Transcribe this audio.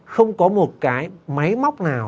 không có một cái máy móc nào